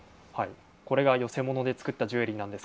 これが、よせもので作ったジュエリーです。